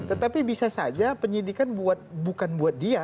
tetapi bisa saja penyidikan bukan buat dia